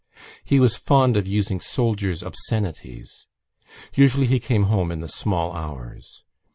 He was fond of using soldiers' obscenities: usually he came home in the small hours.